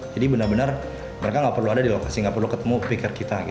jadi benar benar mereka nggak perlu ada di lokasi nggak perlu ketemu picker kita